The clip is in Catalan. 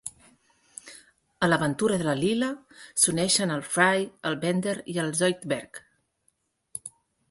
A l'aventura de la Leela s'uneixen el Fry, el Bender i el Zoidberg.